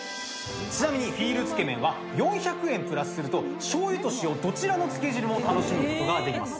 ちなみにＦｅｅＬつけ麺は４００円プラスすると、しょうゆと塩、どちらのつけ汁も楽しむことができます。